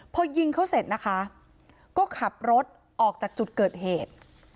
พอยิงเขาเสร็จนะคะก็ขับรถออกจากจุดเกิดเหตุ